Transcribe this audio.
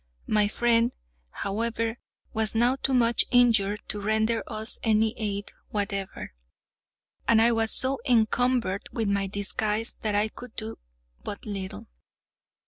My friend, however, was now too much injured to render us any aid whatever, and I was so encumbered with my disguise that I could do but little.